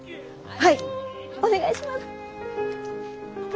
はい！